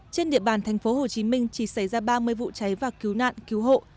trên địa bàn tp hcm chỉ xảy ra ba mươi vụ cháy và cứu nạn cứu hộ